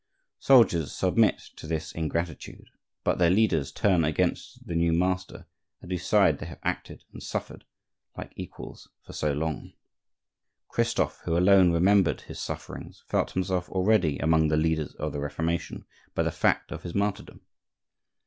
Soldiers submit to this ingratitude; but their leaders turn against the new master at whose side they have acted and suffered like equals for so long. Christophe, who alone remembered his sufferings, felt himself already among the leaders of the Reformation by the fact of his martyrdom.